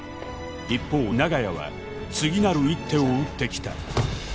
一方長屋は次なる一手を打ってきた